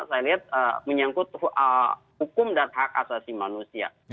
saya lihat menyangkut hukum dan hak asasi manusia